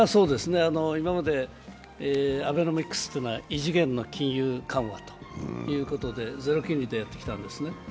今までアベノミクスというのは異次元の金融緩和ということでゼロ金利でやってきたんですね。